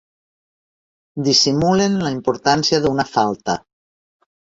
Dissimulen la importància d'una falta.